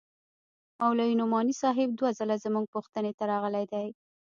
مولوي نعماني صاحب دوه ځله زموږ پوښتنې ته راغلى دى.